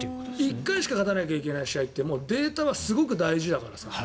１回しか勝たなきゃいけない試合ってデータはすごい大事だから。